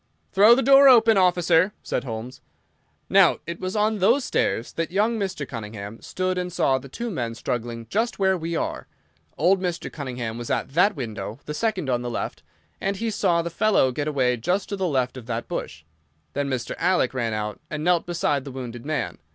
"Throw the door open, officer," said Holmes. "Now, it was on those stairs that young Mr. Cunningham stood and saw the two men struggling just where we are. Old Mr. Cunningham was at that window—the second on the left—and he saw the fellow get away just to the left of that bush. Then Mr. Alec ran out and knelt beside the wounded man.